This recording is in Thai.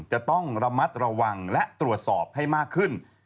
จะต้องระมัดระวังและตรวจสอบให้มากขึ้น